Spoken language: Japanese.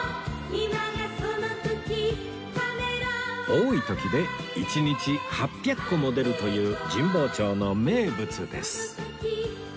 多い時で１日８００個も出るという神保町の名物です